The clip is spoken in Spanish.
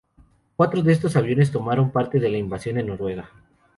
Cuatro de estos aviones tomaron parte en la invasión de Noruega.